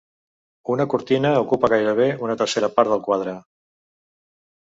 Una cortina ocupa gairebé una tercera part del quadre.